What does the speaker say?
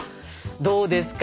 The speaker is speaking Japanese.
どうですか？